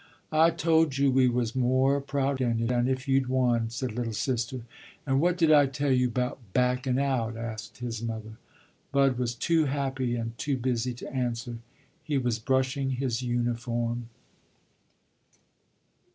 "I told you we was more prouder dan if you'd won," said "little sister." "An' what did I tell you 'bout backin' out?" asked his mother. Bud was too happy and too busy to answer; he was brushing his uniform.